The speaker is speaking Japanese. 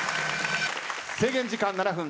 制限時間７分。